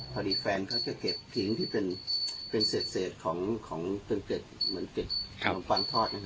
พอดีแฟนเขาก็จะเก็บผิงที่เป็นเสร็จของเก็บเหมือนเก็บของปังทอดนะครับ